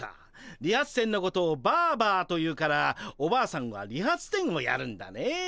理髪店のことをバーバーというからおばあさんは理髪店をやるんだね。